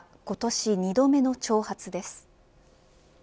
今年２度目の挑発です。